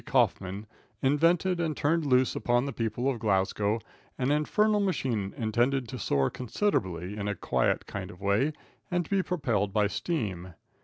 Kaufman invented and turned loose upon the people of Glasgow an infernal machine intended to soar considerably in a quiet kind of way and to be propelled by steam.